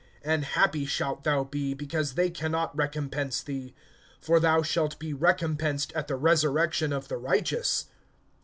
(14)And happy shalt thou be, because they can not recompense thee; for thou shalt be recompensed at the resurrection of the righteous.